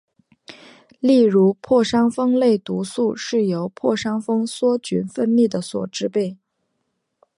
例如破伤风类毒素是由破伤风梭菌分泌的所制备。